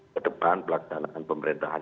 kedepan pelaksanaan pemerintahan